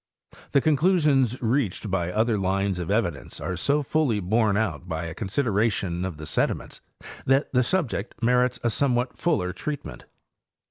The con clusions reached by other lines of evidence are so fully borne out by a consideration of the sediments that the subject merits a somewhat fuller treatment.